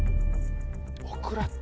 オクラって。